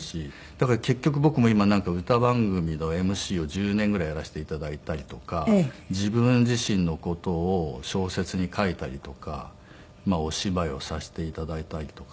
だから結局僕も今歌番組のＭＣを１０年ぐらいやらせて頂いたりとか自分自身の事を小説に書いたりとかお芝居をさせて頂いたりとか。